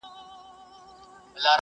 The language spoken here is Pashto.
تاریخ د ټولنې په پوهېدو کې مرسته کوي.